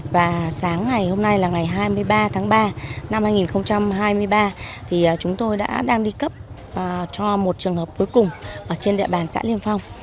và sáng ngày hôm nay là ngày hai mươi ba tháng ba năm hai nghìn hai mươi ba thì chúng tôi đã đang đi cấp cho một trường hợp cuối cùng trên địa bàn xã liêm phong